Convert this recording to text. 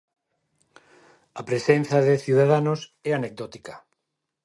A presenza de Ciudadanos é anecdótica.